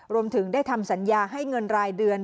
รวมถึงได้ทำสัญญาให้เงินรายเดือน